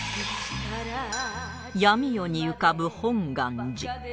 闇夜に浮かぶ本願寺